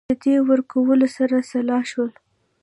د دیه ورکولو سره سلا شول.